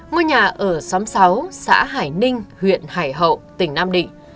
ngôi nhà ở xóm sáu xã hải ninh huyện hải hậu tỉnh nam định